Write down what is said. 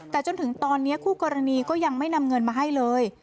แต่จนถึงตอนนี้คู่กรณีก็ยังไม่นำเงินมาให้เลย